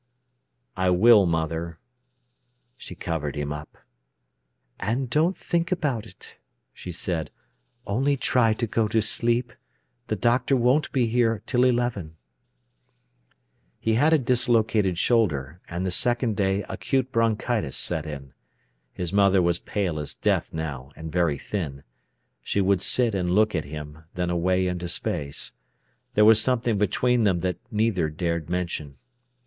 "I will, mother." She covered him up. "And don't think about it," she said—"only try to go to sleep. The doctor won't be here till eleven." He had a dislocated shoulder, and the second day acute bronchitis set in. His mother was pale as death now, and very thin. She would sit and look at him, then away into space. There was something between them that neither dared mention.